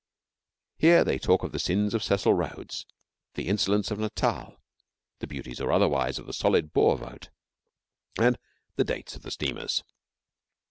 Here they talk of the sins of Cecil Rhodes, the insolence of Natal, the beauties or otherwise of the solid Boer vote, and the dates of the steamers.